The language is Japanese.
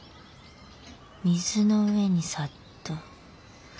水の上にサッと。